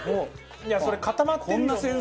いやそれ固まってるよ